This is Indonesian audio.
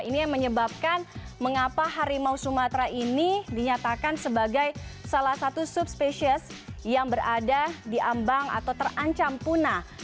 ini yang menyebabkan mengapa harimau sumatera ini dinyatakan sebagai salah satu subspesies yang berada diambang atau terancam punah